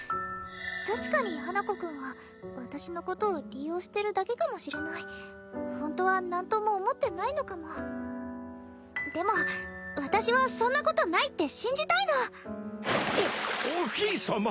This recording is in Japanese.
確かに花子くんは私のことを利用してるだけかもしれないホントは何とも思ってないのかもでも私はそんなことないって信じたいのおおひいさま！